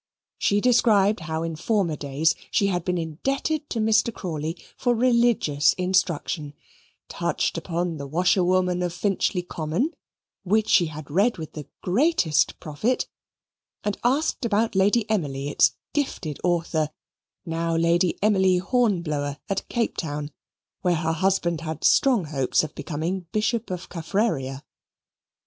She described how in former days she had been indebted to Mr. Crawley for religious instruction, touched upon the Washerwoman of Finchley Common, which she had read with the greatest profit, and asked about Lady Emily, its gifted author, now Lady Emily Hornblower, at Cape Town, where her husband had strong hopes of becoming Bishop of Caffraria.